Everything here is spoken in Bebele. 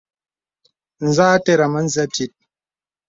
Zə à aterə̀ŋ mə̀zə tìt.